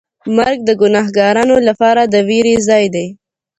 مرګ د ګناهکارانو لپاره د وېرې ځای دی.